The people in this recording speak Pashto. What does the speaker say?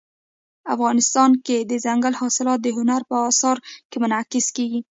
افغانستان کې دځنګل حاصلات د هنر په اثار کې منعکس کېږي.